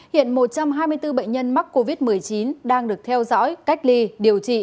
hiện một trăm hai mươi bốn bệnh nhân mắc covid một mươi chín đang được theo dõi cách ly điều trị